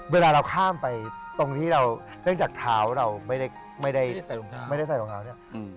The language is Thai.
เวลาเราข้ามไปตรงที่เราเนื่องจากเท้าเราไม่ได้ใส่รองเท้าเนี่ย